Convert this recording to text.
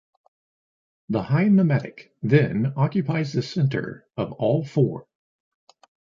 The high mimetic, then, occupies the center of all four.